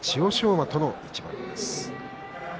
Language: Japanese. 馬との一番です。